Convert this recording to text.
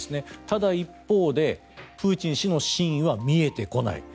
ただ、一方でプーチン氏の真意は見えてこない。